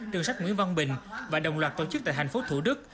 đường sách nguyễn văn bình và đồng loạt tổ chức tại thành phố thủ đức